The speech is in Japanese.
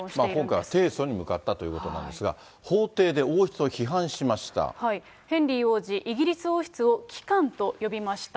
今回は提訴に向かったということなんですが、法廷で王室を批ヘンリー王子、イギリス王室を機関と呼びました。